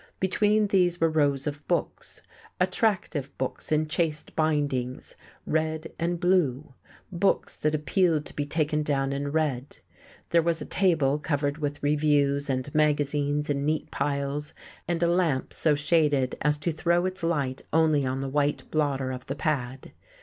Between these were rows of books, attractive books in chased bindings, red and blue; books that appealed to be taken down and read. There was a table covered with reviews and magazines in neat piles, and a lamp so shaded as to throw its light only on the white blotter of the pad.